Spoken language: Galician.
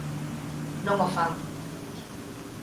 Non o fan.